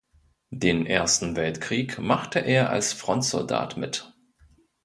Den Ersten Weltkrieg machte er als Frontsoldat mit.